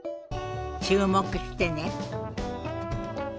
注目してね。